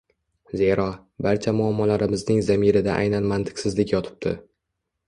Zero, barcha muammolarimizning zamirida aynan mantiqsizlik yotibdi.